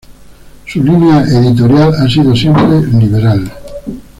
Su línea editorial ha sido siempre liberal.